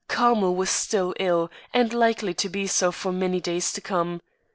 Carmel was still ill, and likely to be so for many days to come.